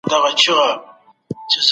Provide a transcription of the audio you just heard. بشر په اوسني علم کې ډېر پرمختګ کړی دی.